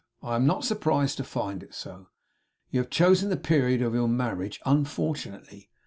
I am not surprised to find it so. You have chosen the period of your marriage unfortunately.